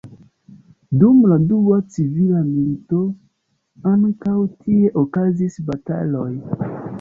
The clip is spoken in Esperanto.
Dum la dua civila milito ankaŭ tie okazis bataloj.